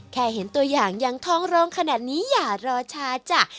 แค่เห็นตัวอย่างยังทองรองขนาดนี้อย่ารอช้าจ้ะ